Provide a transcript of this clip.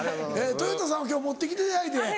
とよたさんは今日持って来ていただいて。